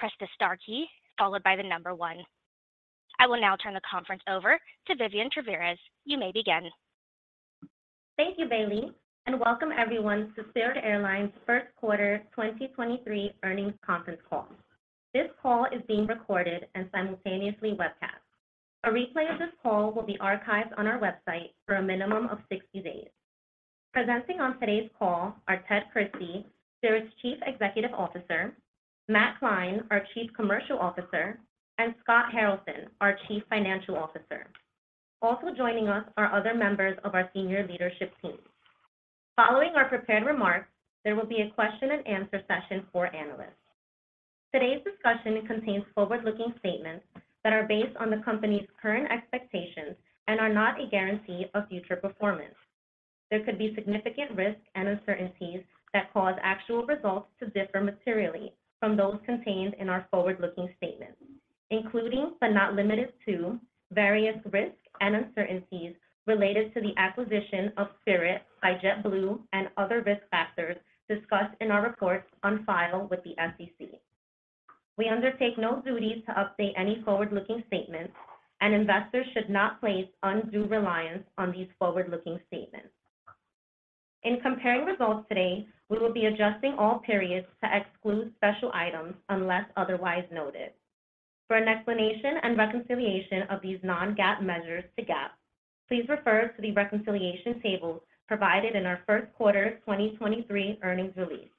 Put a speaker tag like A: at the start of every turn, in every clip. A: Thank you, Bailey, and welcome everyone to Spirit Airlines Q1 2023 earnings conference call. This call is being recorded and simultaneously webcast. A replay of this call will be archived on our website for a minimum of 60 days. Presenting on today's call are Ted Christie, Spirit's Chief Executive Officer, Matt Klein, our Chief Commercial Officer, and Scott Haralson, our Chief Financial Officer. Also joining us are other members of our senior leadership team. Following our prepared remarks, there will be a question and answer session for analysts. Today's discussion contains forward-looking statements that are based on the company's current expectations and are not a guarantee of future performance. There could be significant risks and uncertainties that cause actual results to differ materially from those contained in our forward-looking statements, including, but not limited to, various risks and uncertainties related to the acquisition of Spirit by JetBlue and other risk factors discussed in our reports on file with the SEC. We undertake no duties to update any forward-looking statements, and investors should not place undue reliance on these forward-looking statements. In comparing results today, we will be adjusting all periods to exclude special items unless otherwise noted. For an explanation and reconciliation of these non-GAAP measures to GAAP, please refer to the reconciliation table provided in our Q1 2023 earnings release,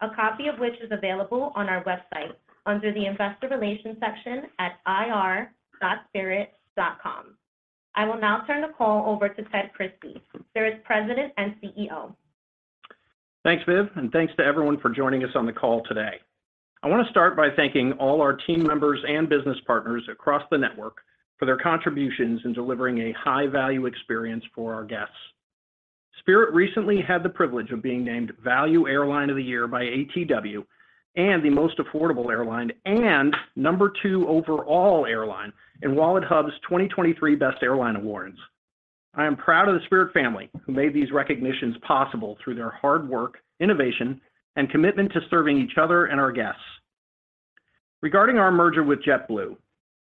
A: a copy of which is available on our website under the Investor Relations section at ir.spirit.com. I will now turn the call over to Ted Christie, Spirit's President and CEO.
B: Thanks, Viv, and thanks to everyone for joining us on the call today. I want to start by thanking all our team members and business partners across the network for their contributions in delivering a high-value experience for our guests. Spirit recently had the privilege of being named Value Airline of the Year by ATW and the Most Affordable Airline and number 2 overall airline in WalletHub's 2023 Best Airline Awards. I am proud of the Spirit family who made these recognitions possible through their hard work, innovation, and commitment to serving each other and our guests. Regarding our merger with JetBlue,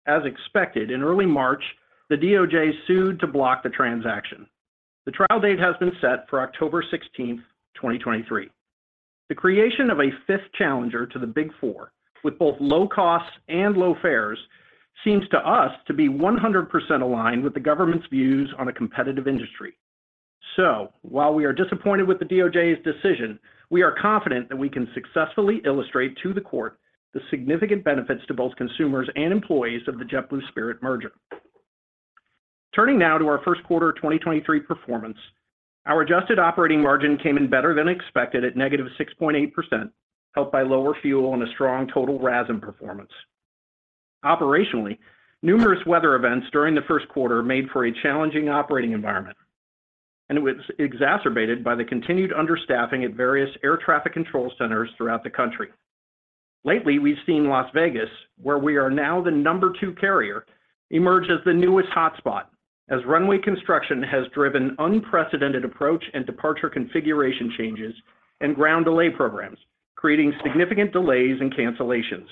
B: as expected, in early March, the DOJ sued to block the transaction. The trial date has been set for October 16, 2023. The creation of a fifth challenger to the Big Four with both low costs and low fares seems to us to be 100% aligned with the government's views on a competitive industry. While we are disappointed with the DOJ's decision, we are confident that we can successfully illustrate to the Court the significant benefits to both consumers and employees of the JetBlue-Spirit merger. Turning now to our Q1 2023 performance, our adjusted operating margin came in better than expected at -6.8%, helped by lower fuel and a strong total RASM performance. Operationally, numerous weather events during Q1 made for a challenging operating environment, and it was exacerbated by the continued understaffing at various air traffic control centers throughout the country. Lately, we've seen Las Vegas, where we are now the number two carrier, emerge as the newest hotspot as runway construction has driven unprecedented approach and departure configuration changes and ground delay programs, creating significant delays and cancellations.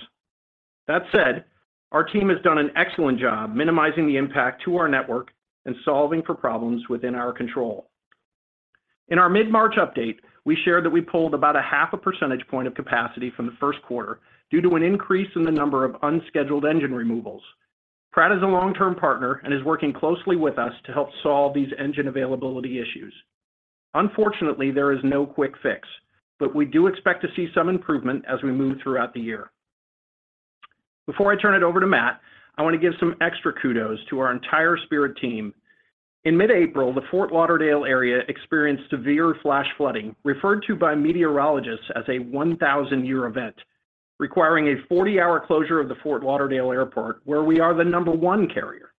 B: That said, our team has done an excellent job minimizing the impact to our network and solving for problems within our control. In our mid-March update, we shared that we pulled about a half a percentage point of capacity from Q1 due to an increase in the number of unscheduled engine removals. Pratt is a long-term partner and is working closely with us to help solve these engine availability issues. Unfortunately, there is no quick fix, but we do expect to see some improvement as we move throughout the year. Before I turn it over to Matt, I want to give some extra kudos to our entire Spirit team. In mid-April, the Fort Lauderdale area experienced severe flash flooding, referred to by meteorologists as a 1,000-year event, requiring a 40-hour closure of the Fort Lauderdale Airport, where we are the number one carrier.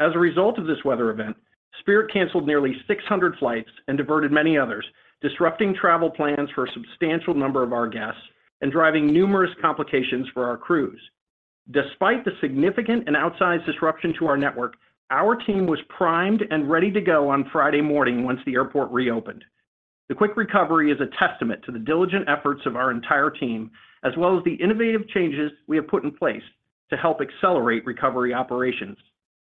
B: As a result of this weather event, Spirit canceled nearly 600 flights and diverted many others, disrupting travel plans for a substantial number of our guests and driving numerous complications for our crews. Despite the significant and outsized disruption to our network, our team was primed and ready to go on Friday morning once the airport reopened. The quick recovery is a testament to the diligent efforts of our entire team, as well as the innovative changes we have put in place to help accelerate recovery operations.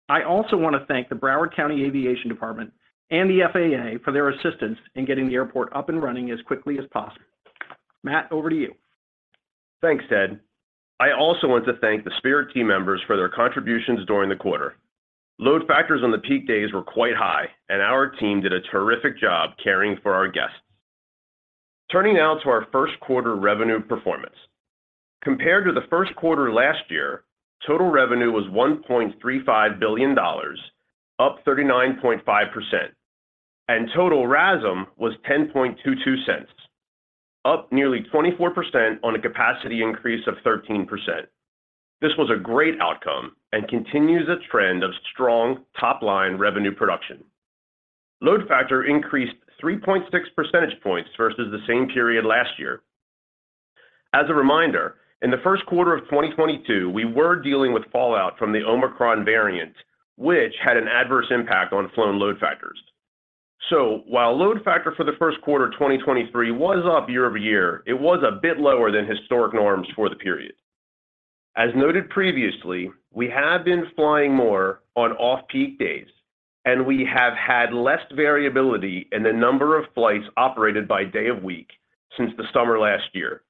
B: I also want to thank the Broward County Aviation Department and the FAA for their assistance in getting the airport up and running as quickly as possible. Matt, over to you.
C: Thanks, Ted. I also want to thank the Spirit team members for their contributions during the quarter. Load factors on the peak days were quite high, and our team did a terrific job caring for our guests. Turning now to our Q1 revenue performance. Compared to Q1 last year, total revenue was $1.35 billion, up 39.5%. Total RASM was $0.1022, up nearly 24% on a capacity increase of 13%. This was a great outcome and continues a trend of strong top-line revenue production. Load factor increased 3.6 percentage points versus the same period last year. As a reminder, in Q1 of 2022, we were dealing with fallout from the Omicron variant, which had an adverse impact on flown load factors. While load factor for Q1 2023 was up year-over-year, it was a bit lower than historic norms for the period. As noted previously, we have been flying more on off-peak days, and we have had less variability in the number of flights operated by day of week since the summer last year.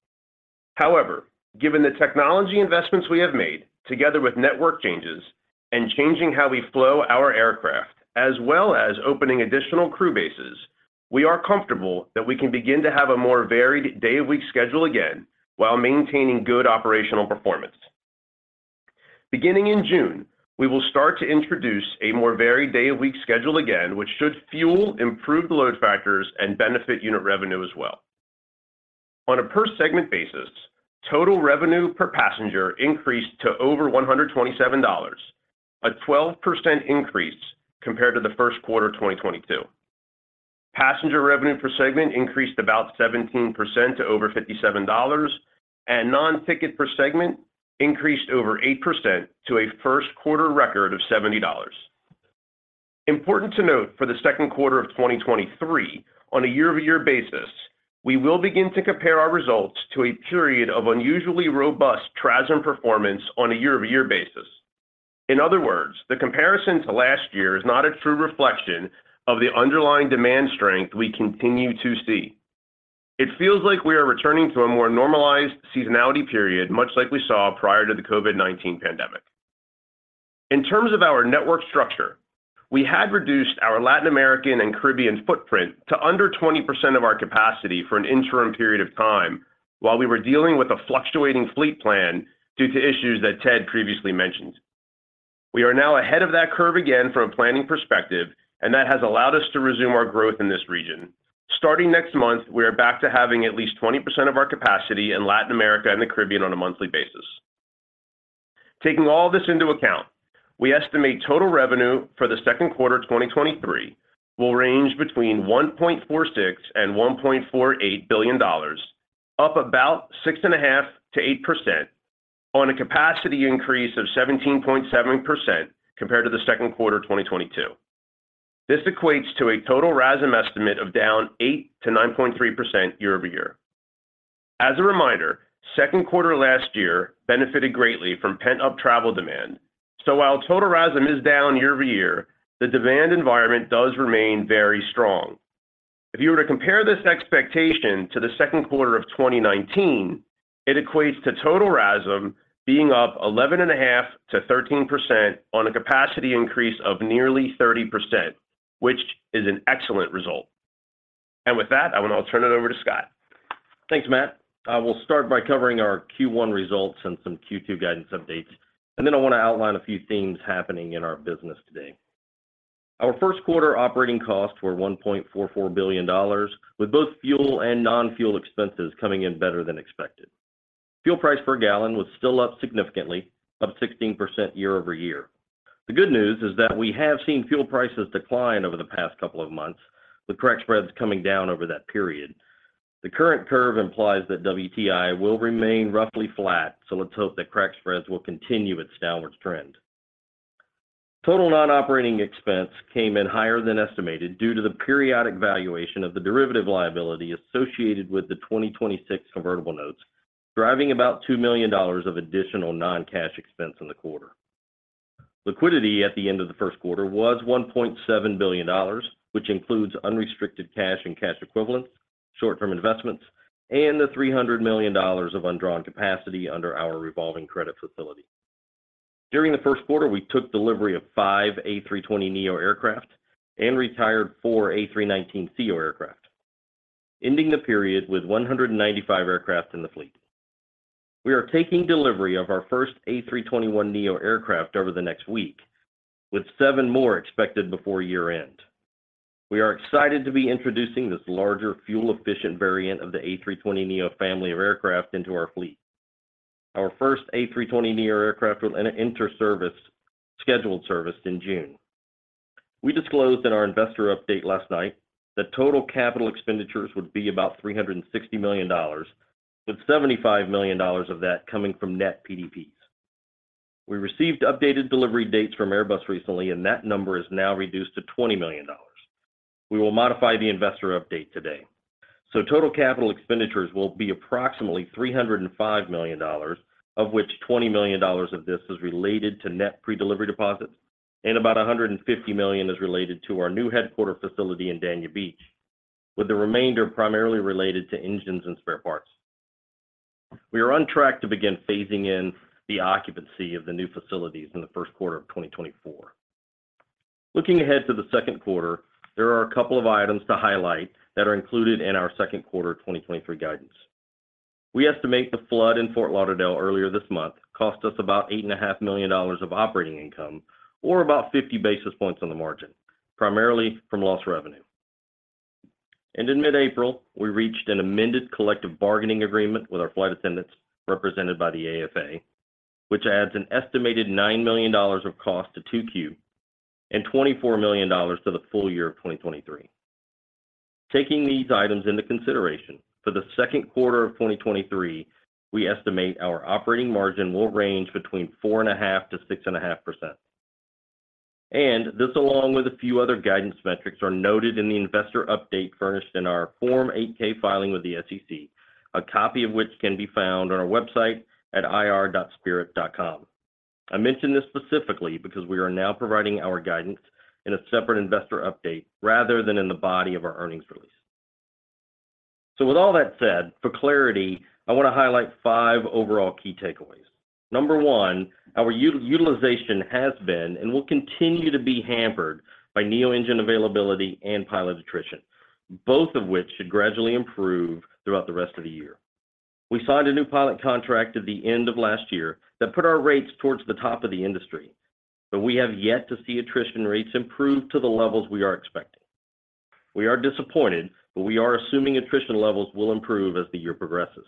C: However, given the technology investments we have made, together with network changes and changing how we flow our aircraft, as well as opening additional crew bases, we are comfortable that we can begin to have a more varied day of week schedule again while maintaining good operational performance. Beginning in June, we will start to introduce a more varied day of week schedule again, which should fuel improved load factors and benefit unit revenue as well. On a per-segment basis, total revenue per passenger increased to over $127, a 12% increase compared to Q1 2022. Passenger revenue per segment increased about 17% to over $57, and non-ticket per segment increased over 8% to a Q1 record of $70. Important to note for Q2 of 2023, on a year-over-year basis, we will begin to compare our results to a period of unusually robust TRASM performance on a year-over-year basis. In other words, the comparison to last year is not a true reflection of the underlying demand strength we continue to see. It feels like we are returning to a more normalized seasonality period, much like we saw prior to the COVID-19 pandemic. In terms of our network structure, we had reduced our Latin American and Caribbean footprint to under 20% of our capacity for an interim period of time while we were dealing with a fluctuating fleet plan due to issues that Ted previously mentioned. We are now ahead of that curve again from a planning perspective, that has allowed us to resume our growth in this region. Starting next month, we are back to having at least 20% of our capacity in Latin America and the Caribbean on a monthly basis. Taking all this into account, we estimate total revenue for Q2 2023 will range between $1.46 billion and $1.48 billion, up about 6.5% to 8% on a capacity increase of 17.7% compared to Q2 2022. This equates to a total RASM estimate of down 8%-9.3% year-over-year. As a reminder, Q2 last year benefited greatly from pent-up travel demand. While total RASM is down year-over-year, the demand environment does remain very strong. If you were to compare this expectation to Q2 of 2019, it equates to total RASM being up 11.5%-13% on a capacity increase of nearly 30%, which is an excellent result. With that, I will now turn it over to Scott.
D: Thanks, Matt. I will start by covering our Q1 results and some Q2 guidance updates, and then I want to outline a few themes happening in our business today. Our Q1 operating costs were $1.44 billion, with both fuel and non-fuel expenses coming in better than expected. Fuel price per gallon was still up significantly, up 16% year-over-year. The good news is that we have seen fuel prices decline over the past couple of months, with crack spreads coming down over that period. The current curve implies that WTI will remain roughly flat. Let's hope that crack spreads will continue its downwards trend. Total non-operating expense came in higher than estimated due to the periodic valuation of the derivative liability associated with the 2026 Convertible Notes, driving about $2 million of additional non-cash expense in the quarter. Liquidity at the end of Q1 was $1.7 billion, which includes unrestricted cash and cash equivalents, short-term investments, and the $300 million of undrawn capacity under our revolving credit facility. During Q1, we took delivery of 5 A320neo aircraft and retired 4 A319ceo aircraft, ending the period with 195 aircraft in the fleet. We are taking delivery of our first A321neo aircraft over the next week, with 7 more expected before year-end. We are excited to be introducing this larger, fuel-efficient variant of the A320neo family of aircraft into our fleet. Our first A320neo aircraft will enter scheduled service in June. We disclosed in our investor update last night that total capital expenditures would be about $360 million, with $75 million of that coming from net PDPs. That number is now reduced to $20 million. We will modify the investor update today. Total capital expenditures will be approximately $305 million, of which $20 million of this is related to net pre-delivery deposits, and about $150 million is related to our new headquarter facility in Dania Beach, with the remainder primarily related to engines and spare parts. We are on track to begin phasing in the occupancy of the new facilities in Q1 of 2024. Looking ahead to Q2, there are a couple of items to highlight that are included in our Q2 2023 guidance. We estimate the flood in Fort Lauderdale earlier this month cost us about $8.5 million of operating income, or about 50 basis points on the margin, primarily from lost revenue. In mid-April, we reached an amended collective bargaining agreement with our flight attendants represented by the AFA, which adds an estimated $9 million of cost to 2Q and $24 million to the full year of 2023. Taking these items into consideration, for Q2 of 2023, we estimate our operating margin will range between 4.5%-6.5%. This, along with a few other guidance metrics, are noted in the investor update furnished in our Form 8-K filing with the SEC, a copy of which can be found on our website at ir.spirit.com. I mention this specifically because we are now providing our guidance in a separate investor update rather than in the body of our earnings release. With all that said, for clarity, I want to highlight 5 overall key takeaways. Number 1, our utilization has been and will continue to be hampered by neo-engine availability and pilot attrition, both of which should gradually improve throughout the rest of the year. We signed a new pilot contract at the end of last year that put our rates towards the top of the industry, but we have yet to see attrition rates improve to the levels we are expecting. We are disappointed. We are assuming attrition levels will improve as the year progresses.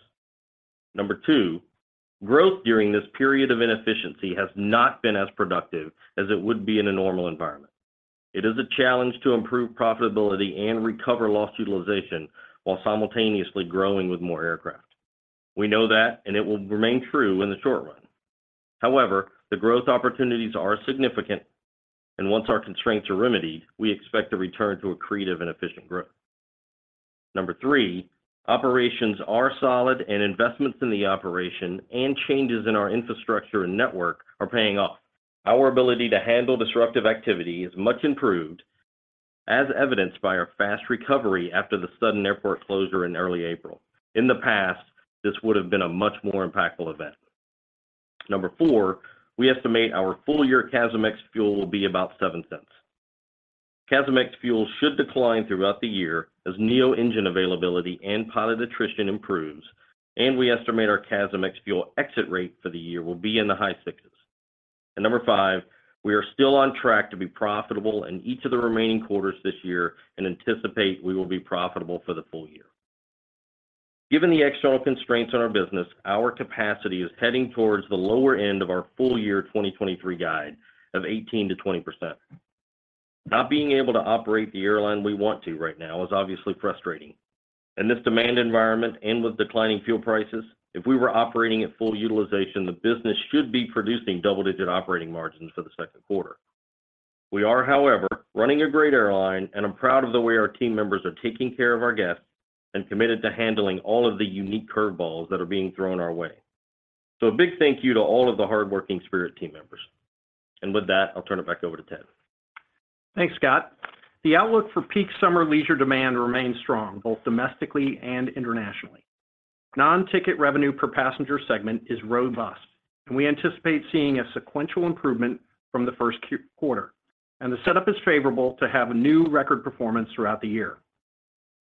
D: Number 2. Growth during this period of inefficiency has not been as productive as it would be in a normal environment. It is a challenge to improve profitability and recover lost utilization while simultaneously growing with more aircraft. We know that. It will remain true in the short run. However, the growth opportunities are significant, and once our constraints are remedied, we expect to return to accretive and efficient growth. Number 3. Operations are solid. Investments in the operation and changes in our infrastructure and network are paying off. Our ability to handle disruptive activity is much improved, as evidenced by our fast recovery after the sudden airport closure in early April. In the past, this would have been a much more impactful event. Number four, we estimate our full-year CASM ex-fuel will be about $0.07. CASM ex-fuel should decline throughout the year as neo-engine availability and pilot attrition improves. We estimate our CASM ex-fuel exit rate for the year will be in the high sixes. Number five, we are still on track to be profitable in each of the remaining quarters this year and anticipate we will be profitable for the full year. Given the external constraints on our business, our capacity is heading towards the lower end of our full-year 2023 guide of 18%-20%. Not being able to operate the airline we want to right now is obviously frustrating. In this demand environment and with declining fuel prices, if we were operating at full utilization, the business should be producing double-digit operating margins for Q2. We are, however, running a great airline, and I'm proud of the way our team members are taking care of our guests and committed to handling all of the unique curveballs that are being thrown our way. A big thank you to all of the hardworking Spirit team members. With that, I'll turn it back over to Ted.
B: Thanks, Scott. The outlook for peak summer leisure demand remains strong, both domestically and internationally. Non-ticket revenue per passenger segment is robust. We anticipate seeing a sequential improvement from the first Q-quarter, the setup is favorable to have a new record performance throughout the year.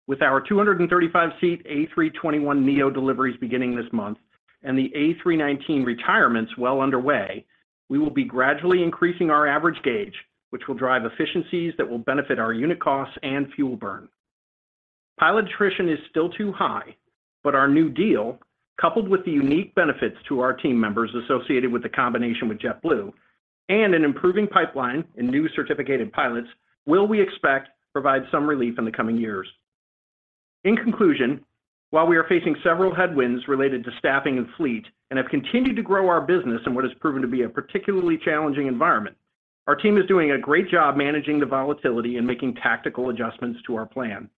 B: With our 235-seat A321neo deliveries beginning this month and the A319 retirements well underway, we will be gradually increasing our average gauge, which will drive efficiencies that will benefit our unit costs and fuel burn. Pilot attrition is still too high. Our new deal, coupled with the unique benefits to our team members associated with the combination with JetBlue and an improving pipeline in new certificated pilots, will, we expect, provide some relief in the coming years. In conclusion, while we are facing several headwinds related to staffing and fleet and have continued to grow our business in what has proven to be a particularly challenging environment, our team is doing a great job managing the volatility and making tactical adjustments to our plan.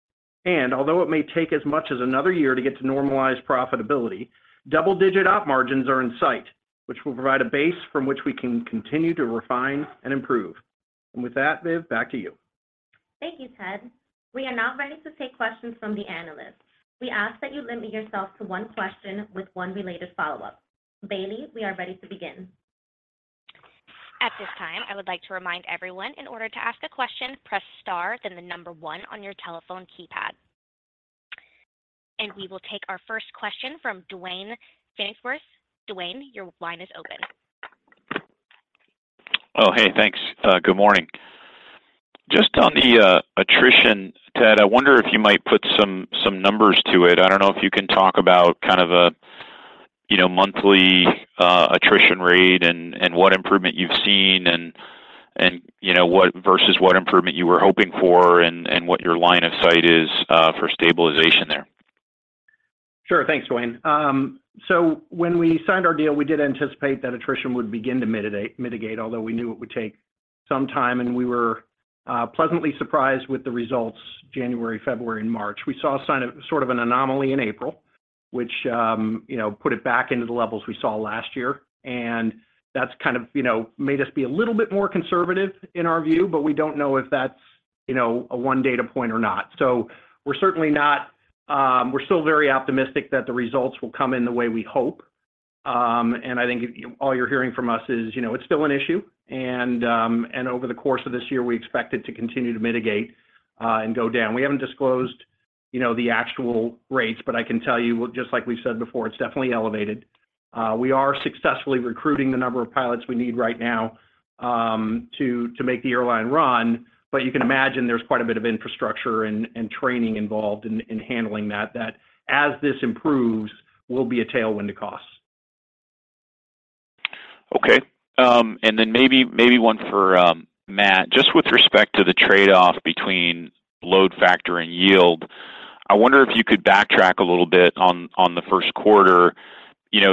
B: Although it may take as much as another year to get to normalized profitability, double-digit op margins are in sight, which will provide a base from which we can continue to refine and improve. With that, Vivian Tavarez, back to you.
A: Thank you, Ted Christie. We are now ready to take questions from the analysts. We ask that you limit yourself to one question with one related follow-up. Bailey, we are ready to begin.
E: Hey, thanks. Good morning. Just on the attrition,, Ted Christie, I wonder if you might put some numbers to it. I don't know if you can talk about kind of a, monthly attrition rate and what improvement you've seen and, what versus what improvement you were hoping for and what your line of sight is for stabilization there.
B: Sure. Thanks, Duane Pfennigwerth. When we signed our deal, we did anticipate that attrition would begin to mitigate, although we knew it would take some time, and we were pleasantly surprised with the results January, February, and March. We saw a sign of sort of an anomaly in April, which, put it back into the levels we saw last year, and that's kind of, made us be a little bit more conservative in our view, but we don't know if that's, a one data point or not. We're still very optimistic that the results will come in the way we hope. I think all you're hearing from us is, it's still an issue. Over the course of this year, we expect it to continue to mitigate and go down. We haven't disclosed, the actual rates, but I can tell you, just like we've said before, it's definitely elevated. We are successfully recruiting the number of pilots we need right now to make the airline run. You can imagine there's quite a bit of infrastructure and training involved in handling that as this improves will be a tailwind to costs.
E: Okay. Then maybe one for Matt. Just with respect to the trade-off between load factor and yield, I wonder if you could backtrack a little bit on Q1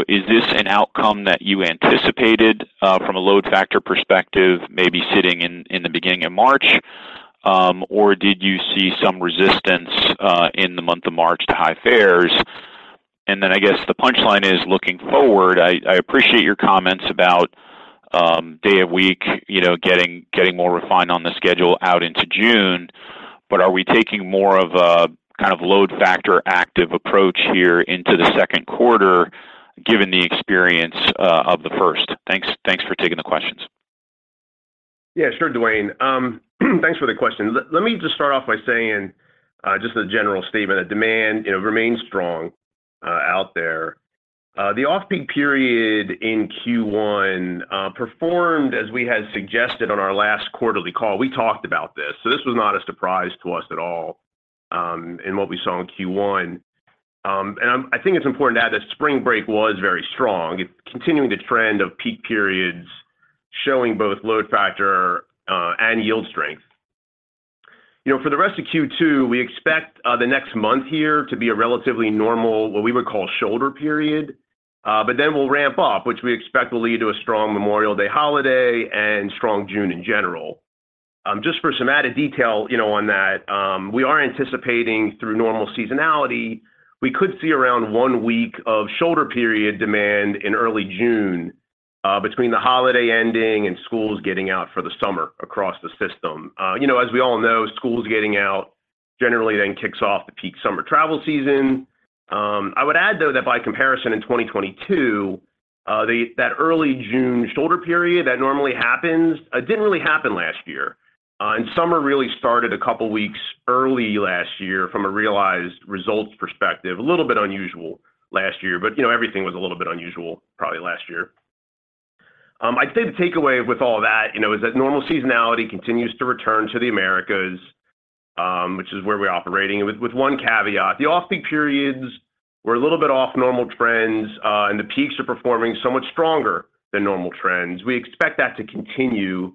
E: is this an outcome that you anticipated from a load factor perspective, maybe sitting in the beginning of March? Did you see some resistance in the month of March to high fares? Then I guess the punchline is looking forward, I appreciate your comments about day of week, getting more refined on the schedule out into June. Are we taking more of a kind of load factor active approach here into Q2 given the experience of the first? Thanks for taking the questions.
C: Yeah, sure, Duane Pfennigwerth. Thanks for the question. Let me just start off by saying, just a general statement that demand, remains strong, out there. The off-peak period in Q1 performed as we had suggested on our last quarterly call. This was not a surprise to us at all, in what we saw in Q1. I think it's important to add that spring break was very strong, continuing the trend of peak periods showing both load factor and yield strength. For the rest of Q2, we expect the next month here to be a relatively normal, what we would call shoulder period. We'll ramp up, which we expect will lead to a strong Memorial Day holiday and strong June in general. Just for some added detail, on that, we are anticipating through normal seasonality, we could see around 1 week of shoulder period demand in early June, between the holiday ending and schools getting out for the summer across the system. As we all know, schools getting out generally then kicks off the peak summer travel season. I would add though that by comparison in 2022, that early June shoulder period that normally happens, didn't really happen last year. Summer really started a couple of weeks early last year from a realized results perspective, a little bit unusual last year, but, everything was a little bit unusual probably last year. I'd say the takeaway with all that, is that normal seasonality continues to return to the Americas, which is where we're operating with one caveat. The off-peak periods were a little bit off normal trends, and the peaks are performing so much stronger than normal trends. We expect that to continue,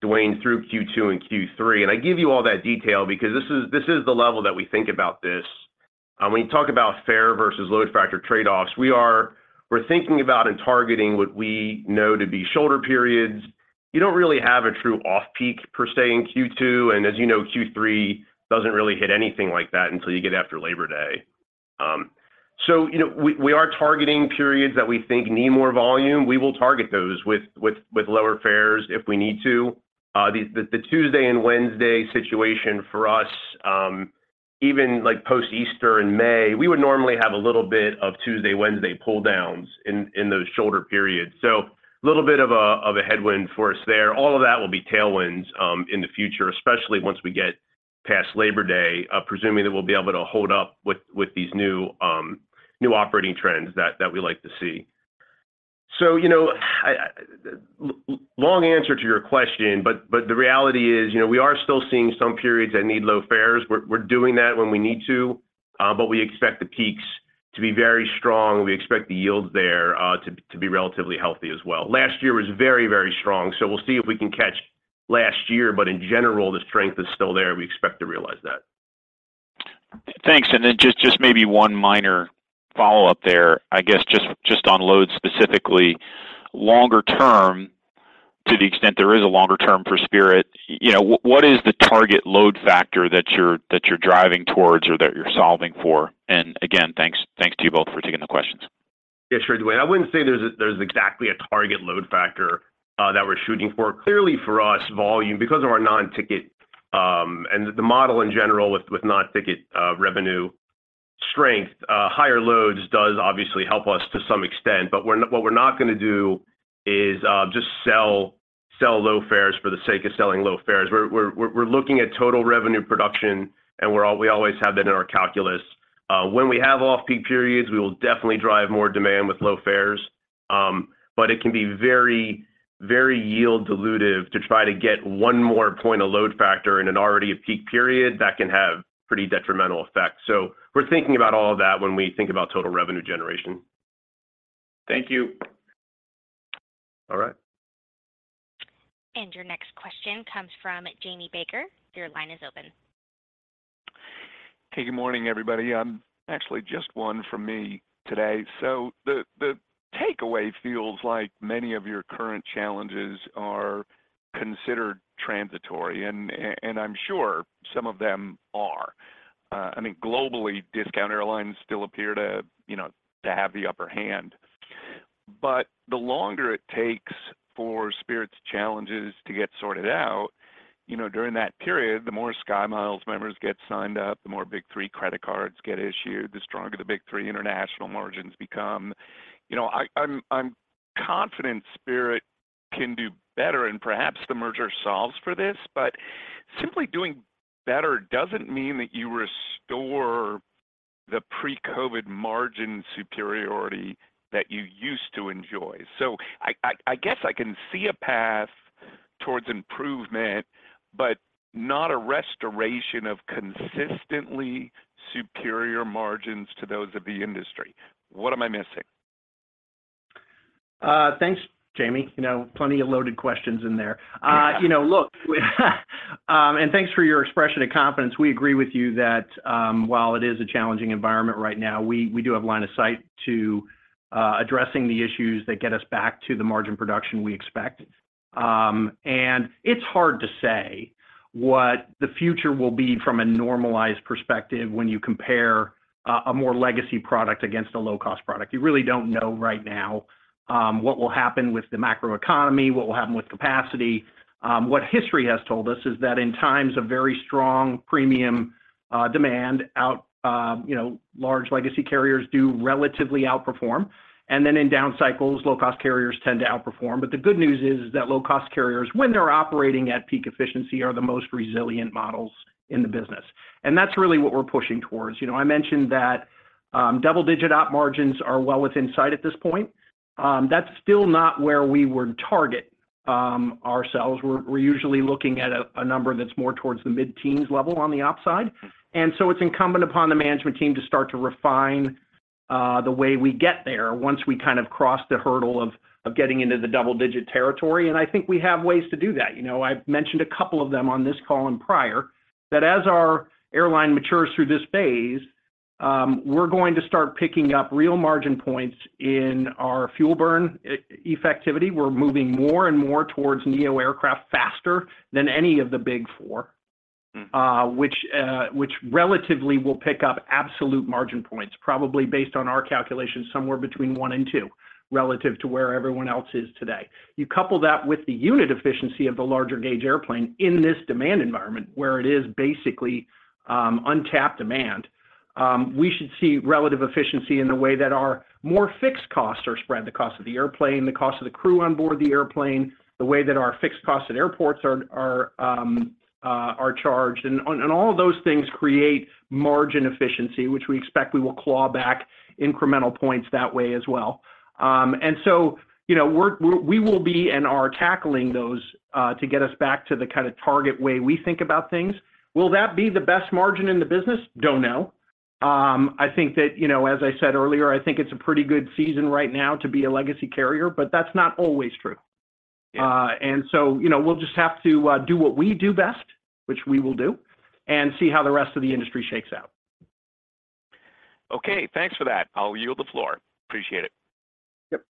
C: Duane, through Q2 and Q3. I give you all that detail because this is, this is the level that we think about this. When you talk about fare versus load factor trade-offs, we're thinking about and targeting what we know to be shoulder periods. You don't really have a true off-peak per se in Q2, and as Q3 doesn't really hit anything like that until you get after Labor Day. So, we are targeting periods that we think need more volume. We will target those with lower fares if we need to. The Tuesday and Wednesday situation for us, even like post-Easter in May, we would normally have a little bit of Tuesday, Wednesday pull-downs in those shoulder periods. A little bit of a, of a headwind for us there. All of that will be tailwinds in the future, especially once we get past Labor Day, presuming that we'll be able to hold up with these new operating trends that we like to see. Long answer to your question, but the reality is, we are still seeing some periods that need low fares. We're doing that when we need to, but we expect the peaks to be very strong. We expect the yields there to be relatively healthy as well. Last year was very, very strong, so we'll see if we can catch last year. In general, the strength is still there, and we expect to realize that.
E: Thanks. Then just maybe one minor follow-up there. I guess just on loads specifically, longer term, to the extent there is a longer term for Spirit, what is the target load factor that you're driving towards or that you're solving for? Again, thanks to you both for taking the questions.
C: Yeah, sure, Duane. I wouldn't say there's exactly a target load factor that we're shooting for. Clearly for us, volume because of our non-ticket, and the model in general with non-ticket revenue strength, higher loads does obviously help us to some extent. We're what we're not gonna do is just sell low fares for the sake of selling low fares. We're looking at total revenue production, and we always have that in our calculus. When we have off-peak periods, we will definitely drive more demand with low fares. It can be very, very yield dilutive to try to get one more point of load factor in an already a peak period that can have pretty detrimental effects. We're thinking about all of that when we think about total revenue generation.
E: Thank you.
C: All right.
F: Hey, good morning, everybody. Actually just one from me today. The takeaway feels like many of your current challenges are considered transitory, and I'm sure some of them are. I mean, globally, discount airlines still appear to have the upper hand. The longer it takes for Spirit's challenges to get sorted out... during that period, the more SkyMiles members get signed up, the more Big Three credit cards get issued, the stronger the Big Three international margins become. You know I'm confident Spirit can do better, and perhaps the merger solves for this, but simply doing better doesn't mean that you restore the pre-COVID margin superiority that you used to enjoy. I guess I can see a path towards improvement, but not a restoration of consistently superior margins to those of the industry. What am I missing?
B: Thanks Jamie Baker. plenty of loaded questions in there. Look, and thanks for your expression of confidence. We agree with you that, while it is a challenging environment right now, we do have line of sight to addressing the issues that get us back to the margin production we expect. And it's hard to say what the future will be from a normalized perspective when you compare a more legacy product against a low-cost product. You really don't know right now, what will happen with the macro economy, what will happen with capacity. What history has told us is that in times of very strong premium, demand out, large legacy carriers do relatively outperform, and then in down cycles, low-cost carriers tend to outperform. The good news is that low-cost carriers, when they're operating at peak efficiency, are the most resilient models in the business, and that's really what we're pushing towards. I mentioned that double-digit op margins are well within sight at this point. That's still not where we would target ourselves. We're usually looking at a number that's more towards the mid-teens level on the op side. It's incumbent upon the management team to start to refine the way we get there once we kind of cross the hurdle of getting into the double-digit territory, and I think we have ways to do that. I've mentioned a couple of them on this call and prior, that as our airline matures through this phase, we're going to start picking up real margin points in our fuel burn effectiveness. We're moving more and more towards neo aircraft faster than any of the Big Four. Which relatively will pick up absolute margin points, probably based on our calculations, somewhere between one and two, relative to where everyone else is today. You couple that with the unit efficiency of the larger gauge airplane in this demand environment where it is basically, untapped demand, we should see relative efficiency in the way that our more fixed costs are spread, the cost of the airplane, the cost of the crew on board the airplane, the way that our fixed costs at airports are charged. All of those things create margin efficiency, which we expect we will claw back incremental points that way as well. We will be and are tackling those to get us back to the kind of target way we think about things. Will that be the best margin in the business? Don't know. I think that, as I said earlier, I think it's a pretty good season right now to be a legacy carrier, but that's not always true.
F: Yeah.
B: We'll just have to do what we do best, which we will do, and see how the rest of the industry shakes out.
F: Okay, thanks for that. I'll yield the floor. Appreciate it.
B: Yep.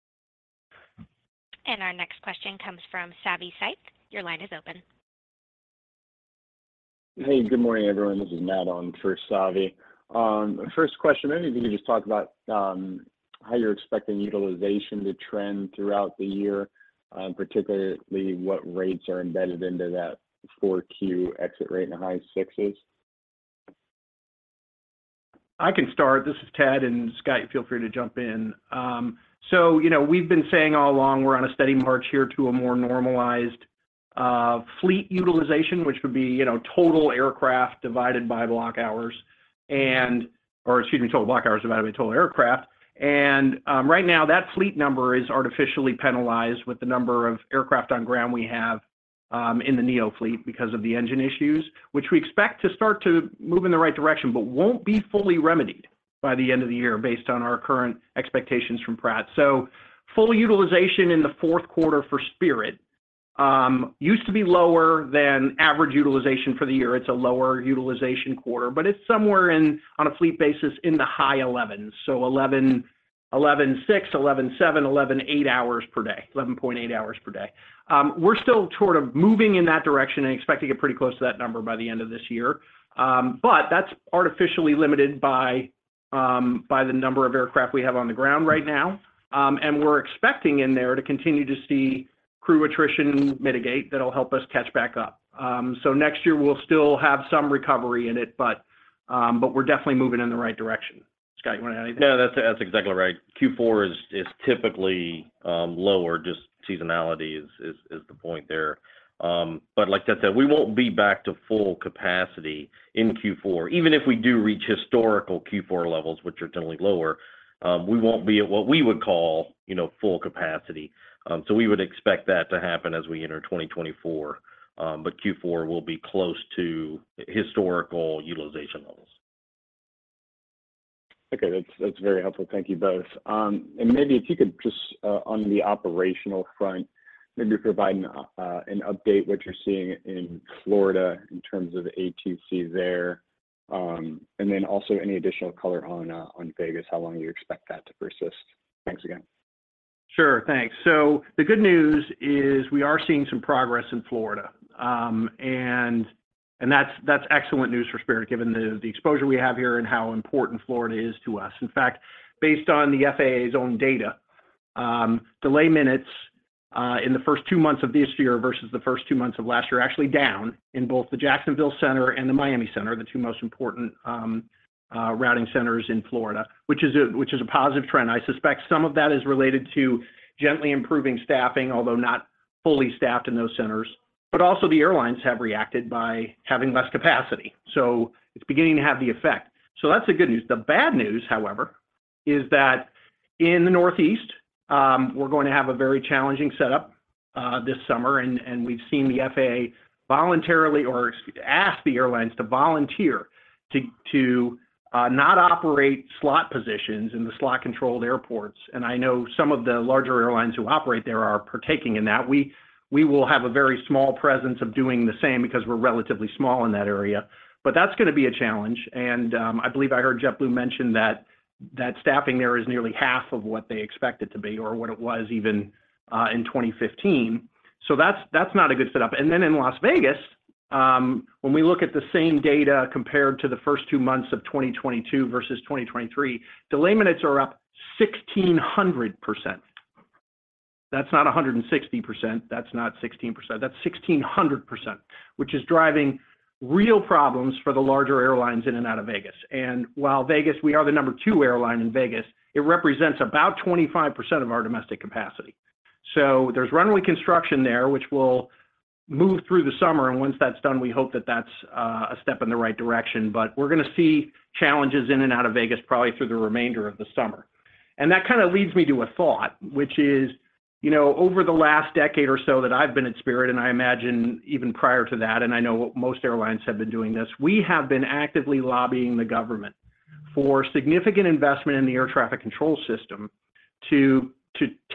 G: Hey, good morning, everyone. This is Matt on for Savi. First question, maybe if you could just talk about how you're expecting utilization to trend throughout the year, particularly what rates are embedded into that 4Q exit rate in the high 6s?
B: I can start. This is Ted, and Scott, feel free to jump in. We've been saying all along we're on a steady march here to a more normalized fleet utilization, which would be, total aircraft divided by block hours, or excuse me, total block hours divided by total aircraft. Right now, that fleet number is artificially penalized with the number of aircraft on ground we have in the neo fleet because of the engine issues, which we expect to start to move in the right direction, but won't be fully remedied by the end of the year based on our current expectations from Pratt & Whitney. Full utilization in Q4 for Spirit Airlines used to be lower than average utilization for the year. It's a lower utilization quarter, but it's somewhere in, on a fleet basis, in the high 11s. Eleven, 11.6, 11.7, 11.8 hours per day, 11.8 hours per day. We're still sort of moving in that direction and expect to get pretty close to that number by the end of this year. That's artificially limited by the number of aircraft we have on the ground right now. We're expecting in there to continue to see crew attrition mitigate. That'll help us catch back up. Next year we'll still have some recovery in it, but we're definitely moving in the right direction. Scott, you want to add anything?
D: No, that's exactly right. Q4 is typically lower, just seasonality is the point there. Like Ted said, we won't be back to full capacity in Q4. Even if we do reach historical Q4 levels, which are generally lower, we won't be at what we would call, you know, full capacity. We would expect that to happen as we enter 2024. Q4 will be close to historical utilization levels.
G: Okay. That's very helpful. Thank you both. Maybe if you could just on the operational front, maybe provide an update what you're seeing in Florida in terms of ATC there. Then also any additional color on Vegas, how long you expect that to persist? Thanks again.
B: Sure. Thanks. The good news is we are seeing some progress in Florida, and that's excellent news for Spirit, given the exposure we have here and how important Florida is to us. In fact, based on the FAA's own data, delay minutes in the first two months of this year versus the first two months of last year are actually down in both the Jacksonville Center and the Miami Center, the two most important routing centers in Florida, which is a positive trend. I suspect some of that is related to gently improving staffing, although not fully staffed in those centers. Also the airlines have reacted by having less capacity, so it's beginning to have the effect. That's the good news. The bad news, however, is that in the Northeast, we're going to have a very challenging setup this summer, and we've seen the FAA voluntarily or ask the airlines to volunteer to not operate slot positions in the slot-controlled airports. I know some of the larger airlines who operate there are partaking in that. We will have a very small presence of doing the same because we're relatively small in that area, but that's gonna be a challenge. I believe I heard JetBlue mention that staffing there is nearly half of what they expect it to be or what it was even, in 2015. That's not a good setup. In Las Vegas, when we look at the same data compared to the first two months of 2022 versus 2023, delay minutes are up 1,600%. That's not 160%, that's not 16%, that's 1,600%, which is driving real problems for the larger airlines in and out of Vegas. Vegas, we are the number two airline in Vegas, it represents about 25% of our domestic capacity. There's runway construction there, which will move through the summer, and once that's done, we hope that that's a step in the right direction. We're gonna see challenges in and out of Vegas probably through the remainder of the summer. That kind of leads me to a thought, which is, over the last decade or so that I've been at Spirit, and I imagine even prior to that, and I know most airlines have been doing this, we have been actively lobbying the government for significant investment in the air traffic control system to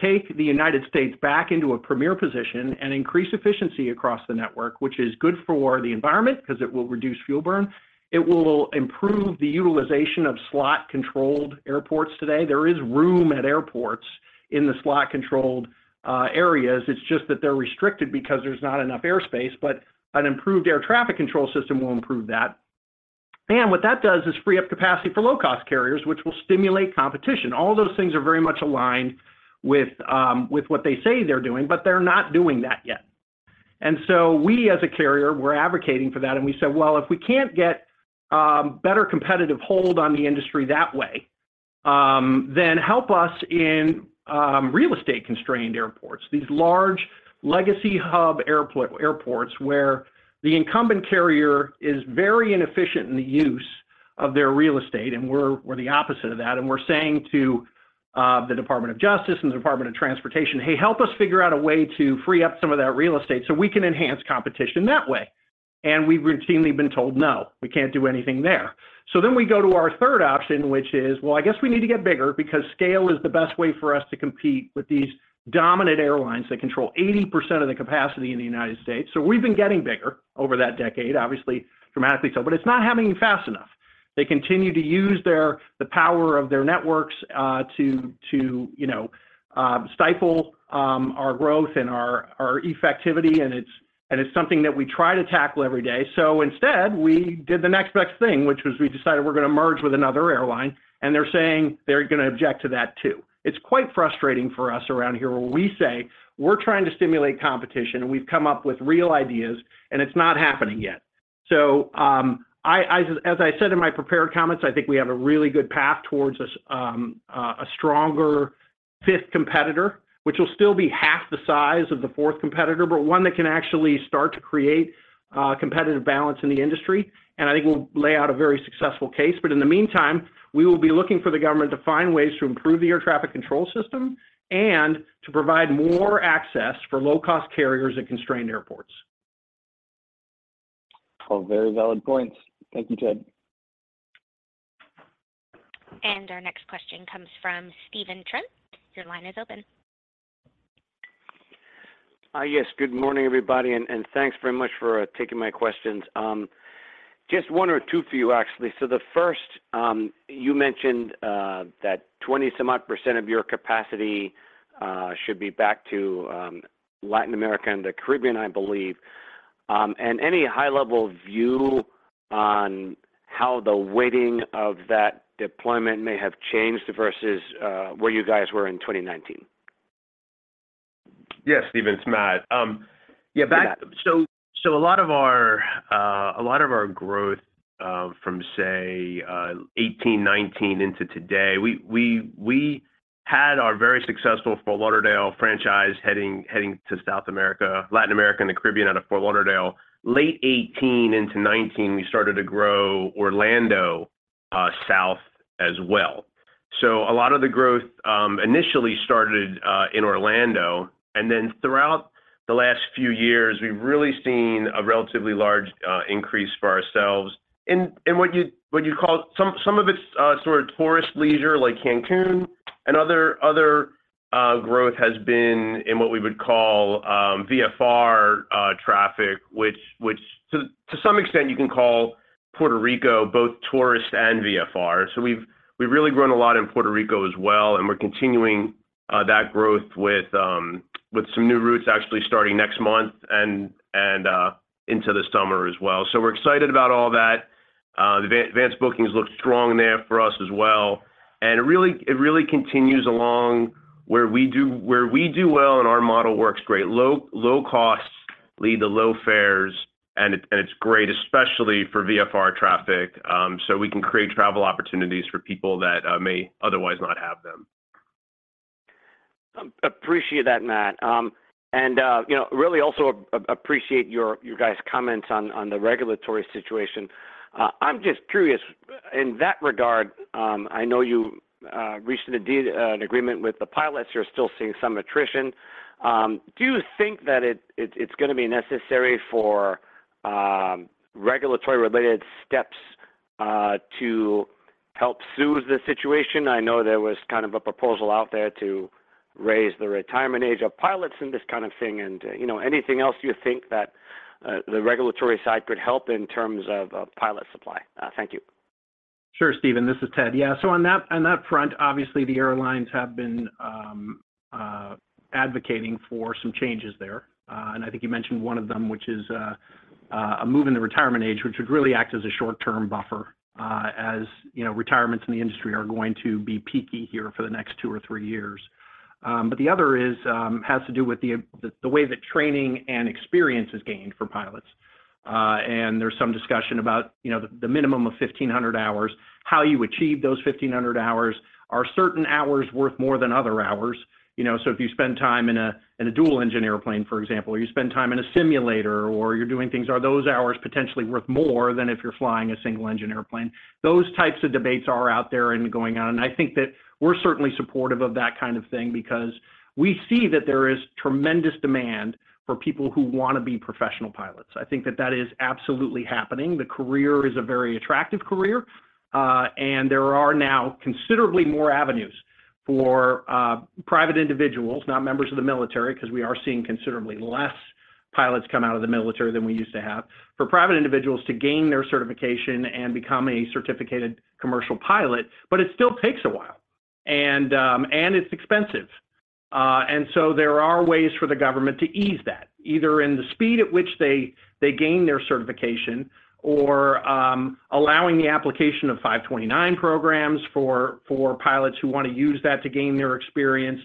B: take the United States back into a premier position and increase efficiency across the network, which is good for the environment because it will reduce fuel burn. It will improve the utilization of slot-controlled airports today. There is room at airports in the slot-controlled areas. It's just that they're restricted because there's not enough airspace, but an improved air traffic control system will improve that. What that does is free up capacity for low-cost carriers, which will stimulate competition. All those things are very much aligned with what they say they're doing, but they're not doing that yet. We as a carrier, we're advocating for that, we said, "If we can't get better competitive hold on the industry that way, then help us in real estate-constrained airports," these large legacy hub airports where the incumbent carrier is very inefficient in the use of their real estate, and we're the opposite of that. We're saying to the Department of Justice and the Department of Transportation, "Hey, help us figure out a way to free up some of that real estate so we can enhance competition that way." We've routinely been told, "No, we can't do anything there." We go to our third option, which is, well, I guess we need to get bigger because scale is the best way for us to compete with these dominant airlines that control 80% of the capacity in the United States. We've been getting bigger over that decade, obviously dramatically so, but it's not happening fast enough. They continue to use the power of their networks, to stifle our growth and our effectivity, and it's something that we try to tackle every day. Instead, we did the next best thing, which was we decided we're gonna merge with another airline, and they're saying they're gonna object to that too. It's quite frustrating for us around here where we say we're trying to stimulate competition and we've come up with real ideas, and it's not happening yet. As I said in my prepared comments, I think we have a really good path towards a stronger fifth competitor, which will still be half the size of the fourth competitor, but one that can actually start to create competitive balance in the industry. I think we'll lay out a very successful case. In the meantime, we will be looking for the government to find ways to improve the air traffic control system and to provide more access for low-cost carriers at constrained airports.
G: All very valid points. Thank you, Ted.
B: Our next question comes from Stephen Trent. Your line is open.
H: Yes. Good morning, everybody, and thanks very much for taking my questions. Just one or two for you, actually. The first, you mentioned that 20 some odd % of your capacity should be back to Latin America and the Caribbean, I believe. Any high-level view on how the weighting of that deployment may have changed versus where you guys were in 2019?
C: Yeah, Stephen, it's Matt. Yeah.
H: Yeah.
C: A lot of our growth from, say, 18, 19 into today, we had our very successful Fort Lauderdale franchise heading to South America, Latin America, and the Caribbean out of Fort Lauderdale. Late 18 into 19, we started to grow Orlando South as well. A lot of the growth initially started in Orlando, and then throughout the last few years, we've really seen a relatively large increase for ourselves. Some of it's sort of tourist leisure like Cancun and other growth has been in what we would call VFR traffic, which to some extent you can call Puerto Rico both tourist and VFR. We've really grown a lot in Puerto Rico as well, and we're continuing that growth with some new routes actually starting next month and into this summer as well. We're excited about all that. The advance bookings look strong there for us as well, and it really continues along where we do well and our model works great. Low costs lead to low fares and it's great, especially for VFR traffic, so we can create travel opportunities for people that may otherwise not have them.
H: Appreciate that, Matt Klein. Really also appreciate your, you guys' comments on the regulatory situation. I'm just curious, in that regard, I know you reached an agreement with the pilots. You're still seeing some attrition. Do you think that it's gonna be necessary for, regulatory-related steps, to help soothe the situation? I know there was kind of a proposal out there to raise the retirement age of pilots and this kind of thing and, anything else you think that, the regulatory side could help in terms of pilot supply? Thank you.
B: Sure, Stephen Trent. This is Ted Christie. On that, on that front, obviously the airlines have been advocating for some changes there. I think you mentioned one of them, which is a move in the retirement age, which would really act as a short-term buffer, as retirements in the industry are going to be peaky here for the next two or three years. The other is has to do with the way that training and experience is gained for pilots. There's some discussion about, the minimum of 1,500 hours, how you achieve those 1,500 hours. Are certain hours worth more than other hours? If you spend time in a, in a dual engine airplane, for example, or you spend time in a simulator or you're doing things, are those hours potentially worth more than if you're flying a single engine airplane? Those types of debates are out there and going on, and I think that we're certainly supportive of that kind of thing because we see that there is tremendous demand for people who wanna be professional pilots. I think that that is absolutely happening. The career is a very attractive career, and there are now considerably more avenues for private individuals, not members of the military, 'cause we are seeing considerably less pilots come out of the military than we used to have, for private individuals to gain their certification and become a certificated commercial pilot, but it still takes a while and it's expensive. There are ways for the government to ease that, either in the speed at which they gain their certification or allowing the application of 529 programs for pilots who wanna use that to gain their experience.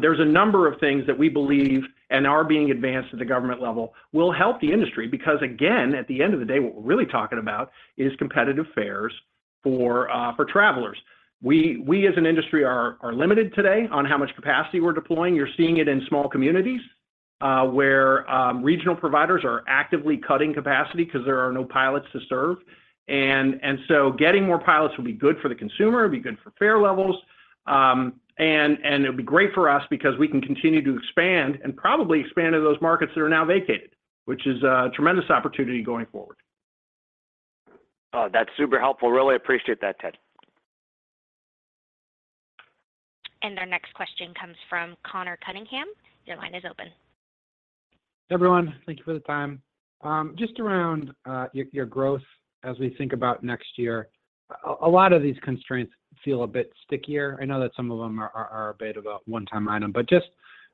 B: There's a number of things that we believe and are being advanced at the government level will help the industry because again, at the end of the day, what we're really talking about is competitive fares for travelers. We as an industry are limited today on how much capacity we're deploying. You're seeing it in small communities where regional providers are actively cutting capacity 'cause there are no pilots to serve. Getting more pilots will be good for the consumer, it'll be good for fare levels, and it'll be great for us because we can continue to expand and probably expand into those markets that are now vacated, which is a tremendous opportunity going forward.
H: Oh, that's super helpful. Really appreciate that, Ted.
I: Everyone, thank you for the time. Just around your growth as we think about next year, a lot of these constraints feel a bit stickier. I know that some of them are a bit of a one-time item, but just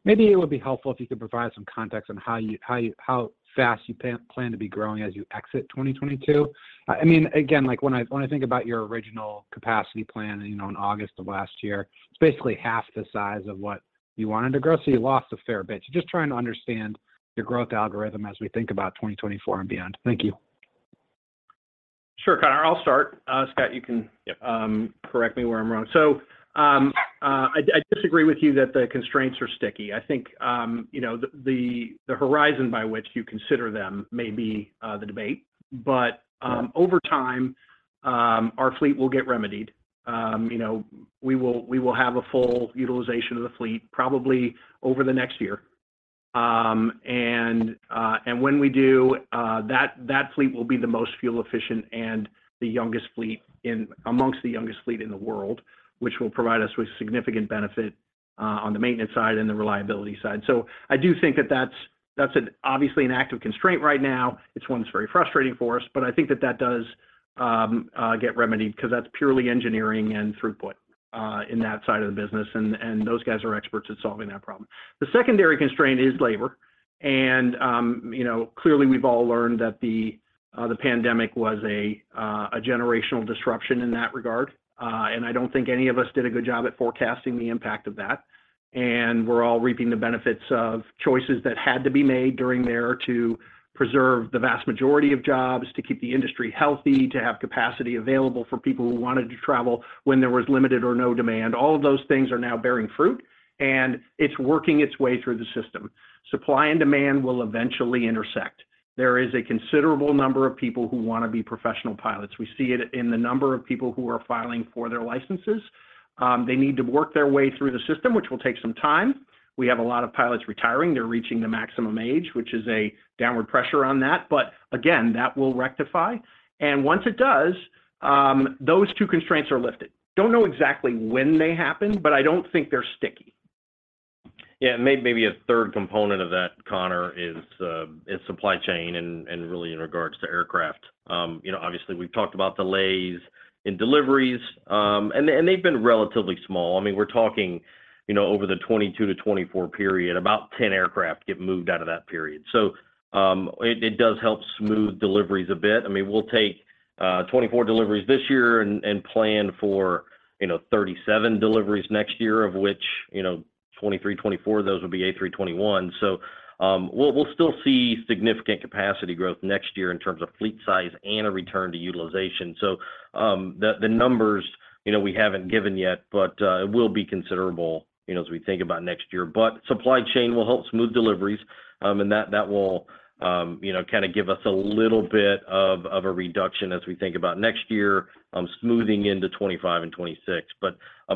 I: maybe it would be helpful if you could provide some context on how fast you plan to be growing as you exit 2022. I mean, again, like when I think about your original capacity plan, in August of last year, it's basically half the size of what you wanted to grow, so you lost a fair bit. Just trying to understand your growth algorithm as we think about 2024 and beyond. Thank you.
B: Sure, Conor. I'll start. Scott, you can,
C: Yep...
B: correct me where I'm wrong. I disagree with you that the constraints are sticky. I think, the horizon by which you consider them may be the debate. Over time, our fleet will get remedied. We will have a full utilization of the fleet probably over the next year. When we do, that fleet will be the most fuel efficient and the youngest fleet amongst the youngest fleet in the world, which will provide us with significant benefit on the maintenance side and the reliability side. I do think that that's obviously an active constraint right now. It's one that's very frustrating for us, but I think that that does get remedied because that's purely engineering and throughput in that side of the business, and those guys are experts at solving that problem. The secondary constraint is labor, and, clearly we've all learned that the pandemic was a generational disruption in that regard. I don't think any of us did a good job at forecasting the impact of that. We're all reaping the benefits of choices that had to be made during there to preserve the vast majority of jobs, to keep the industry healthy, to have capacity available for people who wanted to travel when there was limited or no demand. All of those things are now bearing fruit, and it's working its way through the system. Supply and demand will eventually intersect. There is a considerable number of people who wanna be professional pilots. We see it in the number of people who are filing for their licenses. They need to work their way through the system, which will take some time. We have a lot of pilots retiring. They're reaching the maximum age, which is a downward pressure on that. Again, that will rectify. Once it does, those two constraints are lifted. Don't know exactly when they happen, but I don't think they're sticky.
C: Yeah. Maybe a third component of that, Conor, is supply chain and really in regards to aircraft. Obviously we've talked about delays in deliveries, and they've been relatively small. I mean, we're talking, over the 2022 to 2024 period, about 10 aircraft get moved out of that period. It does help smooth deliveries a bit. I mean, we'll take 24 deliveries this year and plan for, 37 deliveries next year, of which, 23, 24 of those will be A321s. We'll still see significant capacity growth next year in terms of fleet size and a return to utilization. The numbers, we haven't given yet, but it will be considerable, as we think about next year. Supply chain will help smooth deliveries, and that will, kind of give us a little bit of a reduction as we think about next year, smoothing into 2025 and 2026.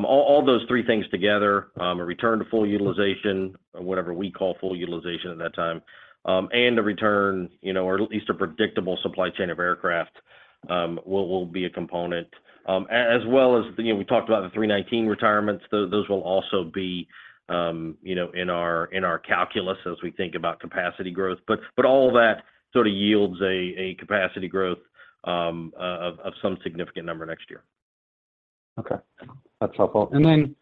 C: All those three things together, a return to full utilization, or whatever we call full utilization at that time, and a return, or at least a predictable supply chain of aircraft, will be a component. As well as, we talked about the A319 retirements, those will also be, in our calculus as we think about capacity growth. All that sort of yields a capacity growth of some significant number next year.
I: Okay. That's helpful. Then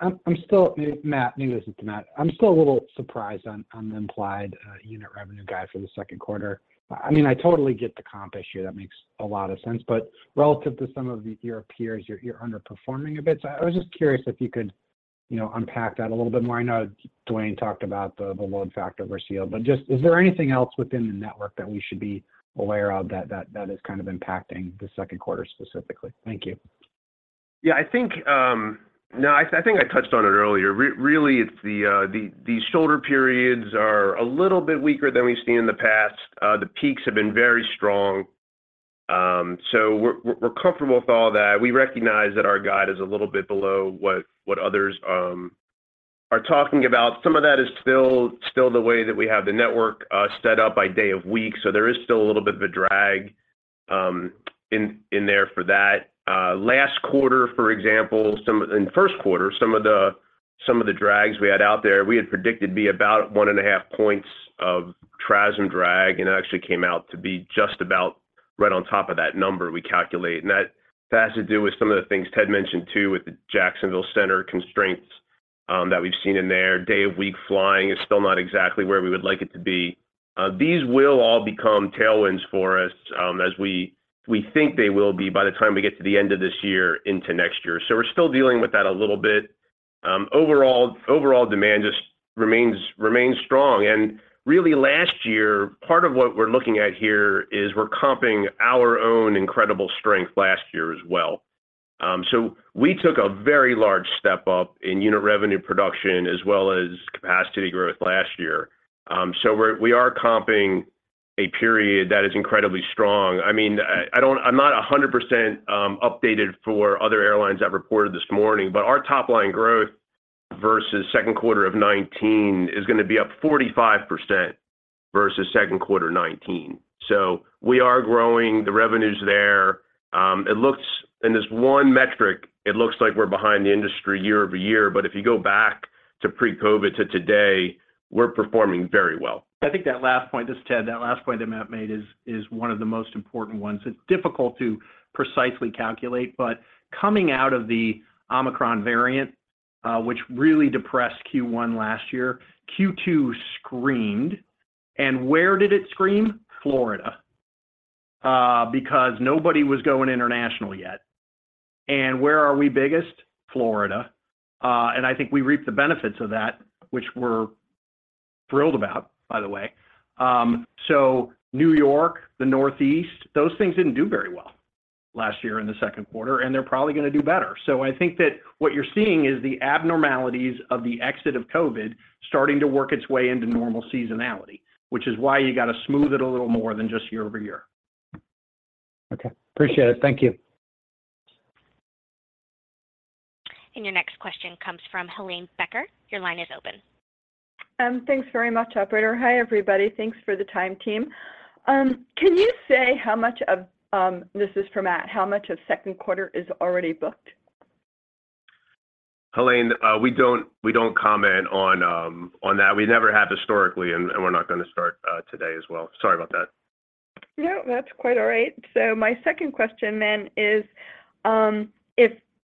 I: I'm still Matt, maybe this is to Matt, I'm still a little surprised on the implied unit revenue guide for Q2. I mean, I totally get the comp issue, that makes a lot of sense, but relative to some of your peers, you're underperforming a bit. I was just curious if you could, unpack that a little bit more. I know Duane talked about the load factor versus yield, but just is there anything else within the network that we should be aware of that is kind of impacting Q2 specifically? Thank you.
C: Yeah, I think. No, I think I touched on it earlier. Really it's the shoulder periods are a little bit weaker than we've seen in the past. The peaks have been very strong. We're comfortable with all that. We recognize that our guide is a little bit below what others are talking about. Some of that is still the way that we have the network set up by day of week, so there is still a little bit of a drag in there for that. Last quarter, for example, In Q1, some of the drags we had out there, we had predicted to be about 1.5 points of TRASM drag, it actually came out to be just about right on top of that number we calculate. That has to do with some of the things Ted mentioned too, with the Jacksonville center constraints that we've seen in there. Day of week flying is still not exactly where we would like it to be. These will all become tailwinds for us as we think they will be by the time we get to the end of this year into next year. We're still dealing with that a little bit. Overall demand just remains strong. Really last year, part of what we're looking at here is we're comping our own incredible strength last year as well. We took a very large step up in unit revenue production as well as capacity growth last year. We are comping a period that is incredibly strong. I mean, I'm not 100% updated for other airlines that reported this morning, but our top line growth versus Q2 of 2019 is gonna be up 45% versus Q2 2019. We are growing, the revenue's there. It looks, in this one metric, it looks like we're behind the industry year-over-year, but if you go back to pre-COVID to today, we're performing very well.
B: I think that last point, this is Ted, that last point that Matt made is one of the most important ones. It's difficult to precisely calculate, but coming out of the Omicron variant, which really depressed Q1 last year, Q2 screamed. Where did it scream? Florida. Because nobody was going international yet. Where are we biggest? Florida. And I think we reaped the benefits of that, which we're thrilled about, by the way. New York, the Northeast, those things didn't do very well last year in Q2, and they're probably gonna do better. I think that what you're seeing is the abnormalities of the exit of COVID starting to work its way into normal seasonality, which is why you got to smooth it a little more than just year-over-year.
I: Okay. Appreciate it. Thank you.
J: Thanks very much, operator. Hi, everybody. Thanks for the time, team. Can you say how much of, this is for Matt, how much of Q2 is already booked?
C: Helane, we don't comment on that. We never have historically, and we're not gonna start today as well. Sorry about that.
J: No, that's quite all right. My second question then is,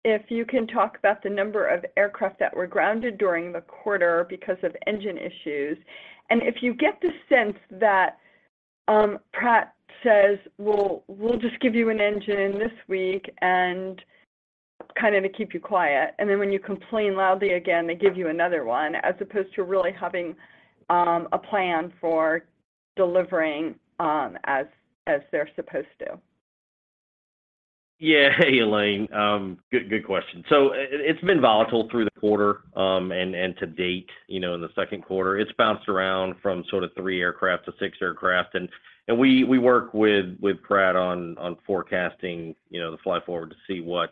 J: if you can talk about the number of aircraft that were grounded during the quarter because of engine issues, and if you get the sense that Pratt says, "Well, we'll just give you an engine this week," and kind of to keep you quiet, and then when you complain loudly again, they give you another one, as opposed to really having a plan for delivering, as they're supposed to.
C: Hey, Helane. It's been volatile through the quarter, and to date, in Q2. It's bounced around from sort of 3 aircraft to 6 aircraft. We work with Pratt on forecasting, the fly forward to see what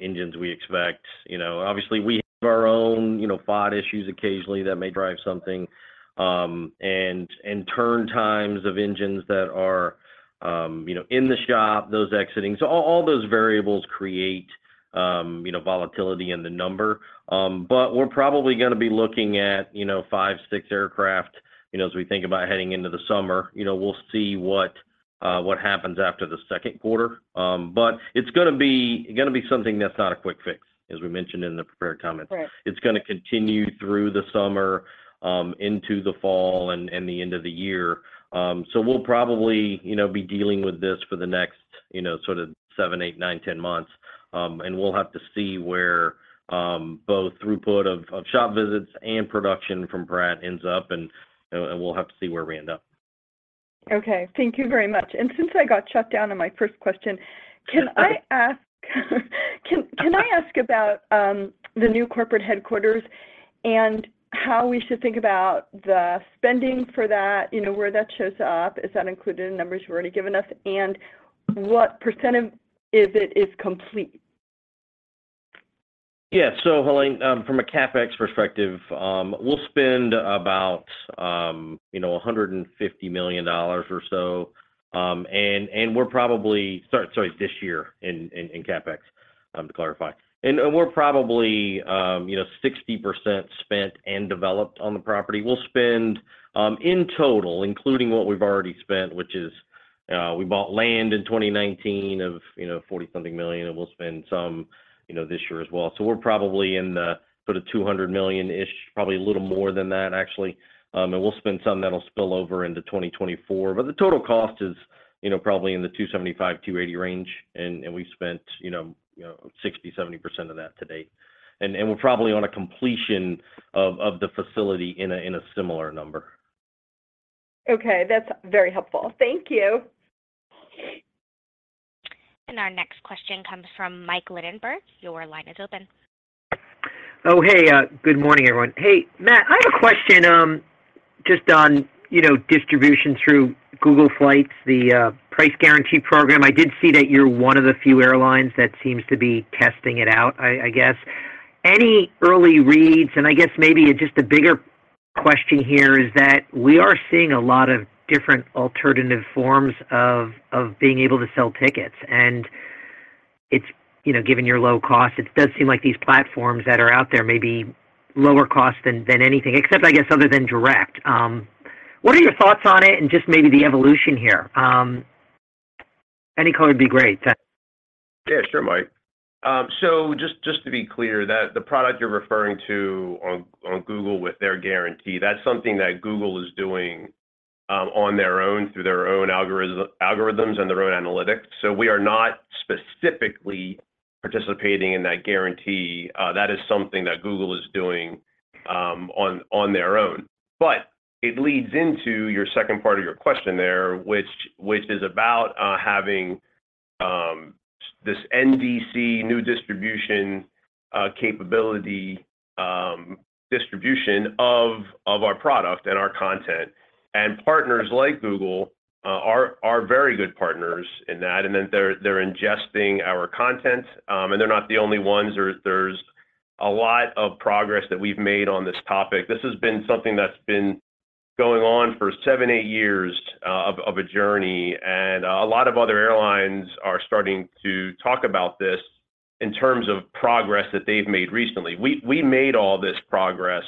C: engines we expect. Obviously we have our own, FOD issues occasionally that may drive something, and turn times of engines that are, in the shop, those exiting. All those variables create, volatility in the number. But we're probably gonna be looking at, 5, 6 aircraft, as we think about heading into the summer. We'll see what happens after Q2. It's gonna be something that's not a quick fix, as we mentioned in the prepared comments.
J: Right.
C: It's gonna continue through the summer into the fall and the end of the year. We'll probably, be dealing with this for the next, sort of seven, eight, nine, 10 months. We'll have to see where both throughput of shop visits and production from Pratt ends up, and we'll have to see where we end up.
J: Okay. Thank you very much. Since I got shut down on my first question.
C: Okay.
J: Can I ask about the new corporate headquarters and how we should think about the spending for that, where that shows up? Is that included in the numbers you've already given us? What % of it is complete?
C: Yeah. Helane, from a CapEx perspective, we'll spend about, $150 million or so. We're probably, this year in CapEx, to clarify. We're probably, 60% spent and developed on the property. We'll spend in total, including what we've already spent, which is, we bought land in 2019 of, $40-something million, and we'll spend some, this year as well. We're probably in the sort of $200 million-ish, probably a little more than that actually. We'll spend some that'll spill over into 2024. The total cost is, probably in the $275-$280 range, and we've spent, 60%-70% of that to date. We're probably on a completion of the facility in a similar number.
J: Okay. That's very helpful. Thank you.
K: Our next question comes from Michael Linenberg. Your line is open.
L: Oh, hey. Good morning, everyone. Hey, Matt, I have a question, just on, you know, distribution through Google Flights, the price guarantee program. I did see that you're one of the few airlines that seems to be testing it out, I guess. Any early reads? I guess maybe just a bigger question here is that we are seeing a lot of different alternative forms of being able to sell tickets. It's, you know, given your low cost, it does seem like these platforms that are out there may be lower cost than anything, except, I guess, other than direct. What are your thoughts on it and just maybe the evolution here? Any color would be great.
C: Yeah, sure, Mike. Just to be clear, the product you're referring to on Google with their guarantee, that's something that Google is doing on their own through their own algorithms and their own analytics. We are not specifically participating in that guarantee. That is something that Google is doing on their own. It leads into your second part of your question there, which is about having this NDC new distribution capability distribution of our product and our content. Partners like Google are very good partners in that, and that they're ingesting our content. They're not the only ones. There's a lot of progress that we've made on this topic. This has been something that's been going on for seven, eight years, of a journey. A lot of other airlines are starting to talk about this in terms of progress that they've made recently. We made all this progress,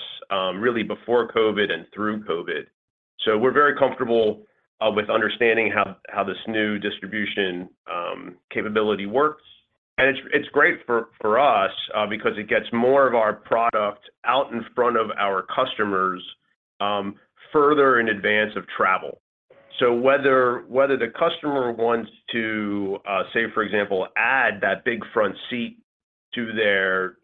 C: really before COVID and through COVID. We're very comfortable with understanding how this new distribution capability works. It's great for us, because it gets more of our product out in front of our customers, further in advance of travel. Whether the customer wants to, say, for example, add that Big Front Seat to their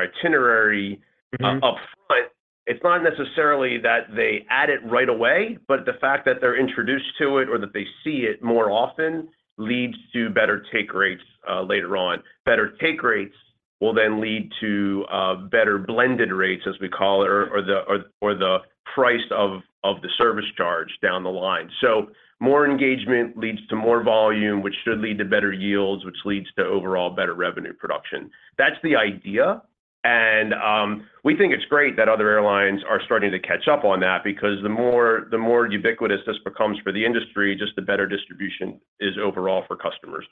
C: itinerary-...
L: upfront, it's not necessarily that they add it right away, but the fact that they're introduced to it or that they see it more often leads to better take rates, later on. Better take rates will then lead to better blended rates, as we call it, or the price of the service charge down the line. More engagement leads to more volume, which should lead to better yields, which leads to overall better revenue production. That's the idea. We think it's great that other airlines are starting to catch up on that because the more, the more ubiquitous this becomes for the industry, just the better distribution is overall for customers.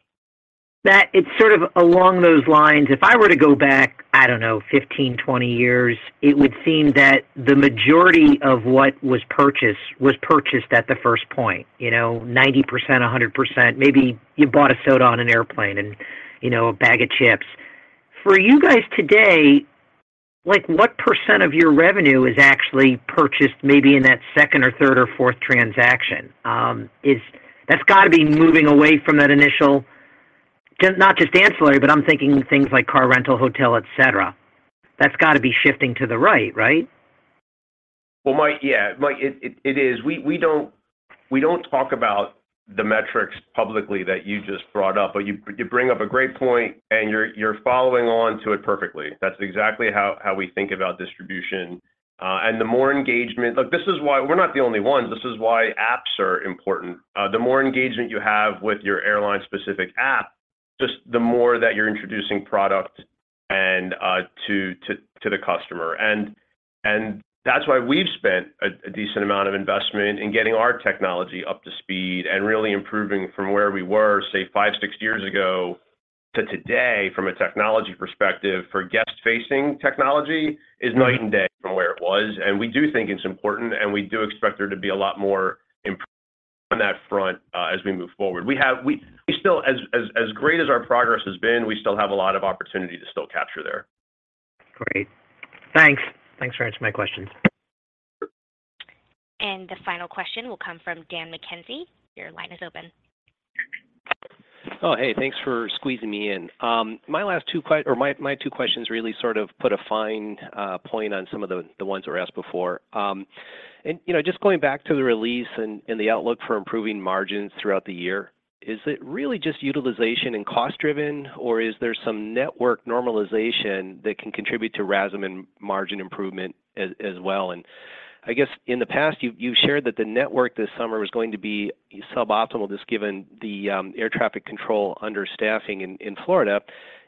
L: Matt, it's sort of along those lines. If I were to go back, I don't know, 15, 20 years, it would seem that the majority of what was purchased was purchased at the first point. 90%, 100%. Maybe you bought a soda on an airplane and,a bag of chips. For you guys today, like, what % of your revenue is actually purchased maybe in that second or third or fourth transaction? That's got to be moving away from that initial... Not just ancillary, but I'm thinking things like car rental, hotel, et cetera. That's got to be shifting to the right?
C: Well, Mike, yeah. Mike, it is. We don't talk about the metrics publicly that you just brought up. You bring up a great point, and you're following on to it perfectly. That's exactly how we think about distribution, and the more engagement. Look, this is why we're not the only ones. This is why apps are important. The more engagement you have with your airline-specific app, just the more that you're introducing product and to the customer. That's why we've spent a decent amount of investment in getting our technology up to speed and really improving from where we were, say, five, six years ago to today from a technology perspective for guest-facing technology is night and day from where it was. We do think it's important, and we do expect there to be a lot more improvement on that front, as we move forward. We still, as great as our progress has been, we still have a lot of opportunity to still capture there.
M: Great. Thanks. Thanks for answering my questions.
N: Oh, hey, thanks for squeezing me in. my two questions really sort of put a fine point on some of the ones that were asked before. Just going back to the release and the outlook for improving margins throughout the year, is it really just utilization and cost driven, or is there some network normalization that can contribute to RASM and margin improvement as well? I guess in the past, you've shared that the network this summer was going to be suboptimal just given the air traffic control understaffing in Florida.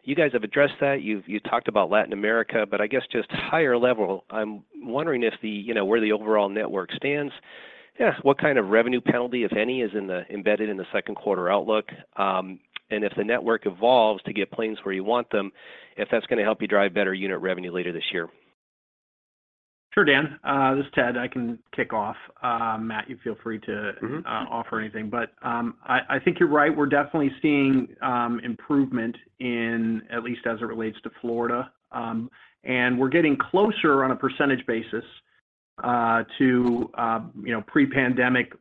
N: You guys have addressed that. You talked about Latin America, but I guess just higher level, I'm wondering if the, where the overall network stands. Yeah, what kind of revenue penalty, if any, is embedded in Q2 outlook? If the network evolves to get planes where you want them, if that's gonna help you drive better unit revenue later this year?
B: Sure, Dan. This is Ted. I can kick off. Matt, you feel free to......
C: offer anything. I think you're right. We're definitely seeing improvement in, at least as it relates to Florida. We're getting closer on a percentage basis to, pre-pandemic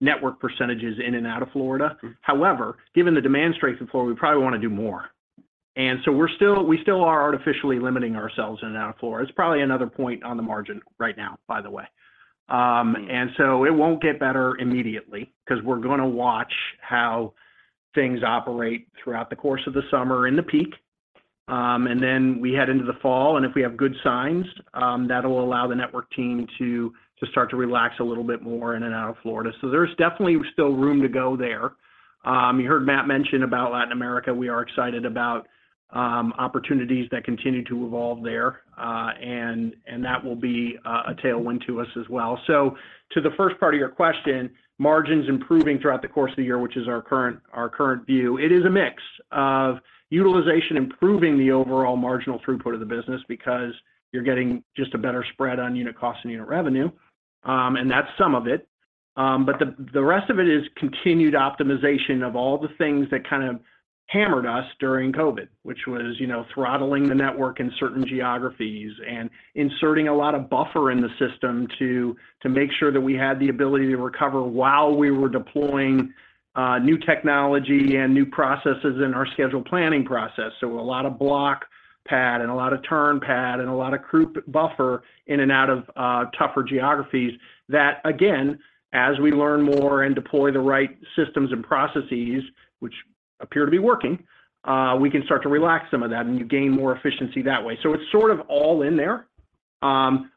C: network percentages in and out of Florida. However, given the demand strength in Florida, we probably wanna do more. We still are artificially limiting ourselves in and out of Florida. It's probably another 1 point on the margin right now, by the way. It won't get better immediately 'cause we're gonna watch how things operate throughout the course of the summer in the peak. We head into the fall, and if we have good signs, that'll allow the network team to start to relax a little bit more in and out of Florida.
B: There's definitely still room to go there. You heard Matt mention about Latin America. We are excited about opportunities that continue to evolve there, and that will be a tailwind to us as well. To the first part of your question, margins improving throughout the course of the year, which is our current view, it is a mix of utilization improving the overall marginal throughput of the business because you're getting just a better spread on unit cost and unit revenue. That's some of it. The rest of it is continued optimization of all the things that kind of hammered us during COVID, which was, throttling the network in certain geographies and inserting a lot of buffer in the system to make sure that we had the ability to recover while we were deploying new technology and new processes in our schedule planning process. A lot of block pad and a lot of turn pad and a lot of crew buffer in and out of tougher geographies that, again, as we learn more and deploy the right systems and processes, which appear to be working, we can start to relax some of that, and you gain more efficiency that way. It's sort of all in there.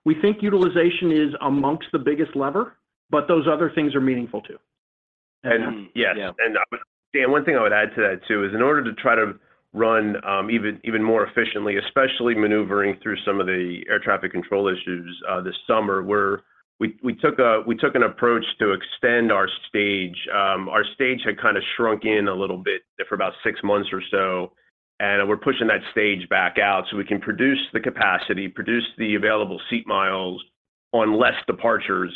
B: We think utilization is amongst the biggest lever, but those other things are meaningful too.
C: Yes.
B: Yeah.
C: Dan, one thing I would add to that too is in order to try to run even more efficiently, especially maneuvering through some of the air traffic control issues this summer, we took an approach to extend our stage. Our stage had kinda shrunk in a little bit for about six months or so, and we're pushing that stage back out, so we can produce the capacity, produce the available seat miles on less departures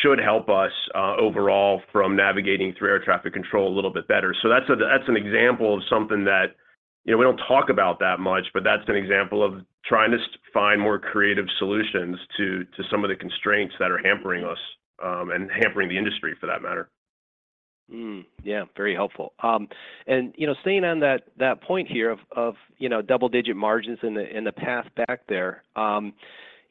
C: should help us overall from navigating through air traffic control a little bit better. That's an example of something that, we don't talk about that much, but that's an example of trying to find more creative solutions to some of the constraints that are hampering us and hampering the industry for that matter.
N: Yeah. Very helpful. Staying on that point here of, double-digit margins in the, in the path back there,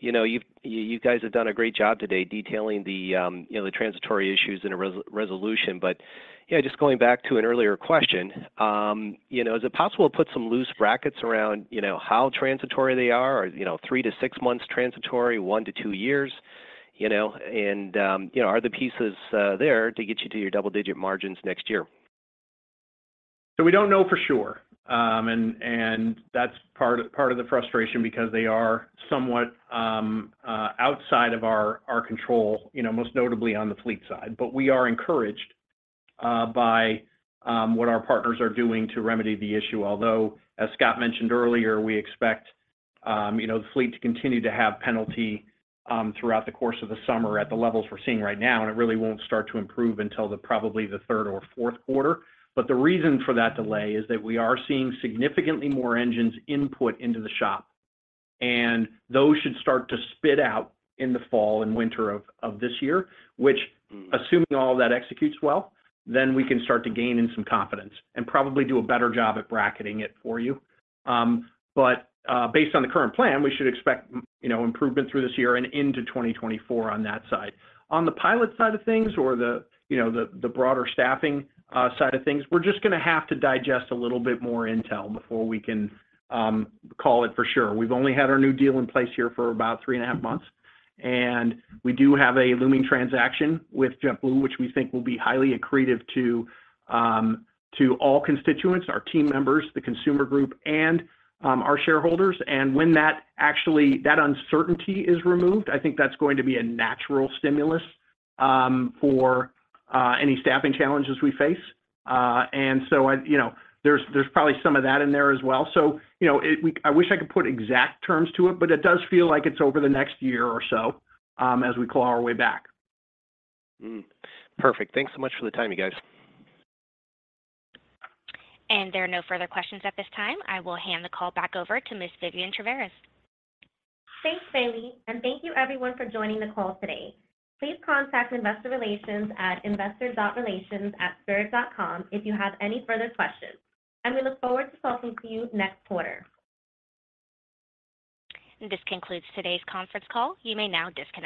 N: you guys have done a great job today detailing the, the transitory issues and a resolution. Yeah, just going back to an earlier question is it possible to put some loose brackets around, how transitory they are, or, 3 to 6 months transitory, 1 to 2 years, you know? are the pieces there to get you to your double-digit margins next year?
B: We don't know for sure, and that's part of the frustration because they are somewhat outside of our control, most notably on the fleet side. We are encouraged by what our partners are doing to remedy the issue. Although, as Scott mentioned earlier, we expect, the fleet to continue to have penalty throughout the course of the summer at the levels we're seeing right now, and it really won't start to improve until the probably the third or Q4. The reason for that delay is that we are seeing significantly more engines input into the shop, and those should start to spit out in the fall and winter of this year.
N: Mm-hmm
B: assuming all that executes well, we can start to gain in some confidence and probably do a better job at bracketing it for you. Based on the current plan, we should expect, improvement through this year and into 2024 on that side. On the pilot side of things or the, the broader staffing side of things, we're just gonna have to digest a little bit more intel before we can call it for sure. We've only had our new deal in place here for about 3 and a half months, and we do have a looming transaction with JetBlue, which we think will be highly accretive to all constituents, our team members, the consumer group, and our shareholders. When that uncertainty is removed, I think that's going to be a natural stimulus for any staffing challenges we face. There's probably some of that in there as well. I wish I could put exact terms to it, but it does feel like it's over the next year or so as we claw our way back.
N: Perfect. Thanks so much for the time, you guys.